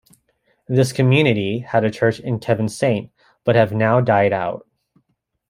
This community had a church in Kevin Saint but have now died out.